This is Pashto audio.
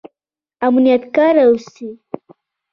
امانت کاره اوسئ